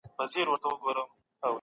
د زعفرانو حاصلات کال په کال زیاتېږي.